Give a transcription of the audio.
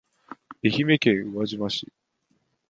愛媛県宇和島市